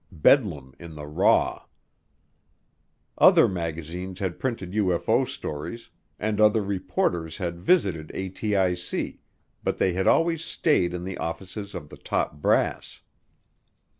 Bedlam in the raw. Other magazines had printed UFO stories, and other reporters had visited ATIC, but they had always stayed in the offices of the top brass.